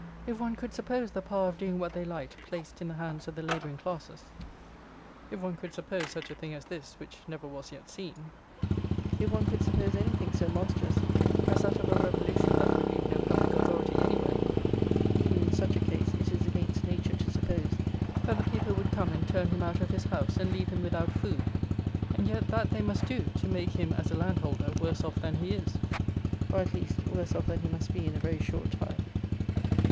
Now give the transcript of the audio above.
If one could suppose the power of doing what they like placed in the hands of the labouring classes; if one could suppose such a thing as this, which never was yet seen; if one could suppose anything so monstrous as that of a revolution that would leave no public authority anywhere; even in such a case, it is against nature to suppose that the people would come and turn him out of his house and leave him without food; and yet that they must do, to make him, as a landholder, worse off than he is; or, at least, worse off than he must be in a very short time.